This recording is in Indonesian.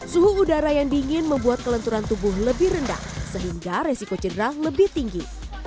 suhu udara yang dingin membuat kelenturan tubuh lebih rendah sehingga resiko cedera lebih tinggi